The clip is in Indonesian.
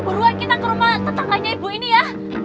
buruan kita ke rumah tetangganya ibu ini ya